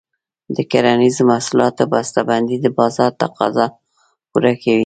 د کرنیزو محصولاتو بسته بندي د بازار تقاضا پوره کوي.